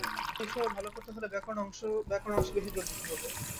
বাংলা বিষয়ে ভালো করতে হলে ব্যাকরণ অংশে বেশি জোর দিতে হবে।